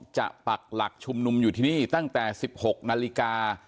ปักหลักชุมนุมอยู่ที่นี่ตั้งแต่๑๖นาฬิกา